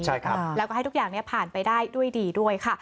ใช่ครับแล้วก็ให้ทุกอย่างผ่านไปได้ด้วยดีด้วยค่ะ